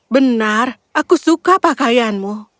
benar aku suka pakaianmu